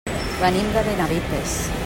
Venim de Benavites.